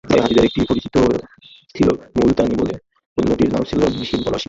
তাই হাতিদের একটির পরিচিত ছিল মুলতানি বলে, অন্যটির নাম ছিল ভীমপলাশি।